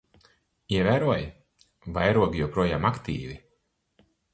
Ievēroji? Vairogi joprojām aktīvi.